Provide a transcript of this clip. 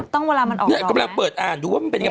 เวลามันออกเนี่ยกำลังเปิดอ่านดูว่ามันเป็นยังไง